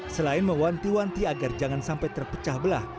selain mewanti wanti agar jangan sampai terpecah belah